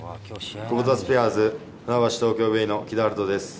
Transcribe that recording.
クボタスピアーズ船橋・東京ベイの木田晴斗です。